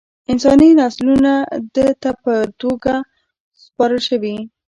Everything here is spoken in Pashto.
انساني نسلونه ده ته په توګه سپارل شوي.